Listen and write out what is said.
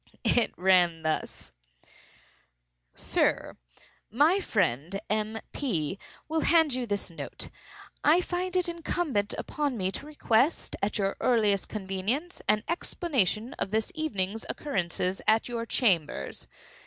It ran thus: Sir,—My friend, M. P. , will hand you this note. I find it incumbent upon me to request, at your earliest convenience, an explanation of this evening's occurrences at your chambers.